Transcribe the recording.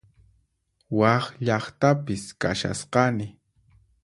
Wak llaqtapis kashasqani